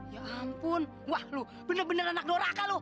ya ampun wah lu bener bener anak doraka lu